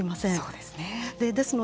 そうですね。